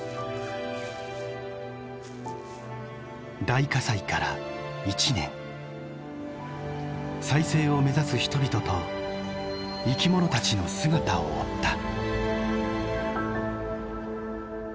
大火災から１年再生を目指す人々と生き物たちの姿を追った。